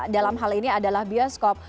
dalam hal ini adalah bioskop